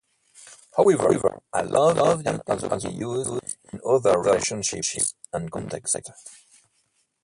However, "I love you" can also be used in other relationships and contexts.